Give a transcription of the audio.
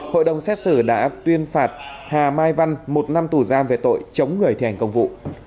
hội đồng xét xử đã tuyên phạt hà mai văn một năm tù giam về tội chống người thi hành công vụ